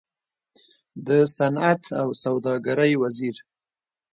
د صنعت او سوداګرۍ وزير